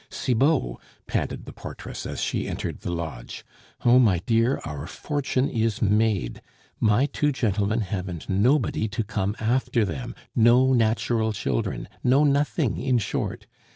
"Cibot!" panted the portress as she entered the lodge. "Oh, my dear, our fortune is made. My two gentlemen haven't nobody to come after them, no natural children, no nothing, in short!